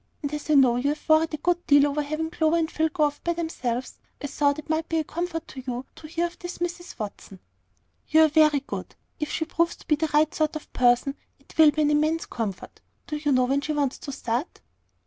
And as I know you have worried a good deal over having Clover and Phil go off by themselves, I thought it might be a comfort to you to hear of this Mrs. Watson." "You are very good. If she proves to be the right sort of person, it will be an immense comfort. Do you know when she wants to start?"